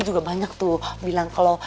juga banyak tuh bilang kalau